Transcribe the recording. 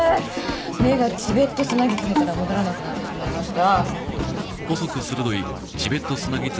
目がチベットスナギツネから戻らなくなってしまいました